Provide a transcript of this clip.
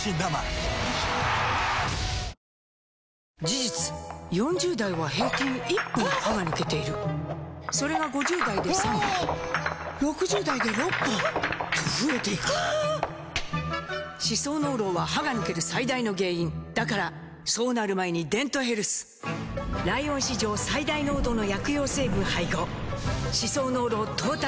事実４０代は平均１本歯が抜けているそれが５０代で３本６０代で６本と増えていく歯槽膿漏は歯が抜ける最大の原因だからそうなる前に「デントヘルス」ライオン史上最大濃度の薬用成分配合歯槽膿漏トータルケア！